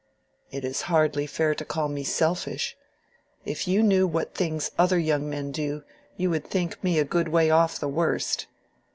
"It is hardly fair to call me selfish. If you knew what things other young men do, you would think me a good way off the worst."